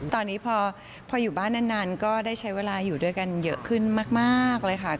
ตอนนี้พออยู่บ้านนานก็ได้ใช้เวลาอยู่ด้วยกันเยอะขึ้นมากเลยค่ะ